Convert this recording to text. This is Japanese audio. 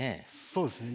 そうですね。